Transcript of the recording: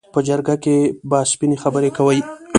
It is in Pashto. په جرګه کې به سپینې خبرې کوي.